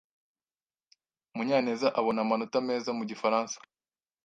Munyaneza abona amanota meza mu gifaransa.